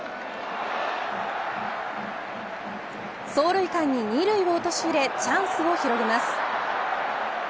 走塁間に２塁を陥れチャンスを広げます。